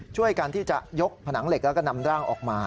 ช่วยกันที่จะยกผนังเหล็กแล้วก็นำร่างออกมา